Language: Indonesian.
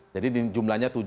jadi jumlahnya tujuh